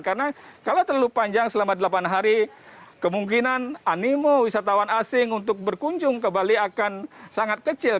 karena kalau terlalu panjang selama delapan hari kemungkinan animo wisatawan asing untuk berkunjung ke bali akan sangat kecil